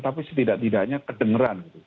tapi setidaknya kedengeran